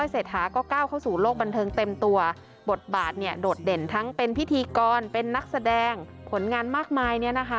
เศรษฐาก็ก้าวเข้าสู่โลกบันเทิงเต็มตัวบทบาทเนี่ยโดดเด่นทั้งเป็นพิธีกรเป็นนักแสดงผลงานมากมายเนี่ยนะคะ